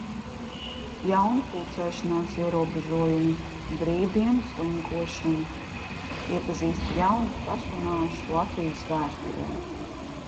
Jauni pulcēšanās ierobežojumi. Brīvdienu slinkošana. Iepazīstu jaunus personāžus Latvijas vēsturē.